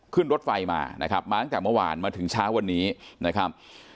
ขึ้นรถไฟมานะครับมาตั้งแต่เมื่อวานมาถึงเช้าวันนี้นะครับ